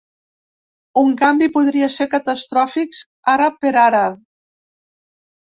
Un canvi podria ser catastròfic ara per ara.